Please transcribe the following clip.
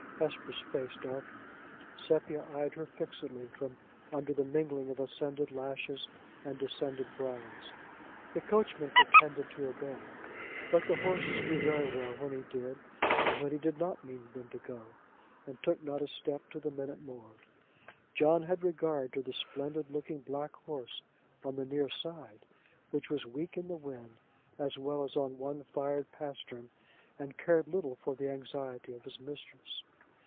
Hesper's face darkened. Sepia eyed her fixedly, from under the mingling of ascended lashes and descended brows. The coachman pretended to obey, but the horses knew very well when he did and when he did not mean them to go, and took not a step to the minute more: John had regard to the splendid looking black horse on the near side, which was weak in the wind, as well as on one fired pastern, and cared little for the anxiety of his mistress.